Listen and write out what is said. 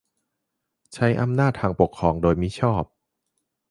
- ใช้อำนาจทางปกครองโดยมิชอบ